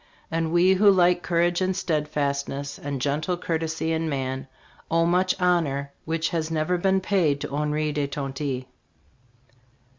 And we who like courage and steadfastness and gentle courtesy in man owe much honor which has never been paid to Henri de Tonty."